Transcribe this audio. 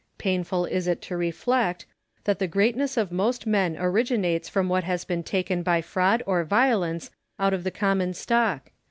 Painful is it to reflect, that the greatness of most men originates from what has been taken by fraud or violence out of the common stock.